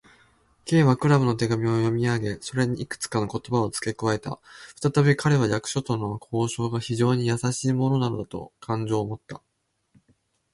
Ｋ はクラムの手紙を読みあげ、それにいくつかの言葉をつけ加えた。ふたたび彼は、役所との交渉が非常にやさしいものなのだという感情をもった。